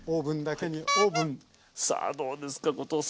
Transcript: さあどうですか後藤さん。